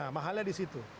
nah mahalnya di situ